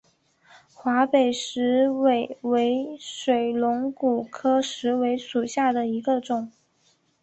华北石韦为水龙骨科石韦属下的一个种。